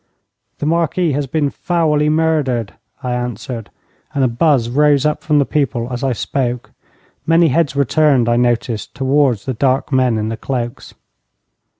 'The Marquis has been foully murdered,' I answered, and a buzz rose up from the people as I spoke. Many heads were turned, I noticed, towards the dark men in the cloaks.